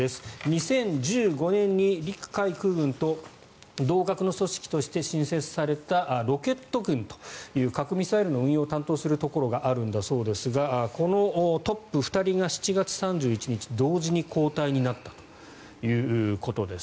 ２０１５年に陸海空軍と同格の組織として新設されたロケット軍という核ミサイルの運用を担当するところがあるんですがこのトップ２人が７月３１日同時に交代になったということです。